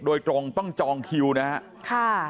โดยตรงต้องจองคิวนะครับ